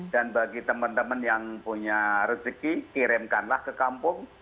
dan bagi teman teman yang punya rezeki kirimkanlah ke kampung